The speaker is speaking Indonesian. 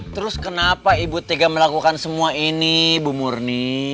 terus kenapa ibu tega melakukan semua ini bu murni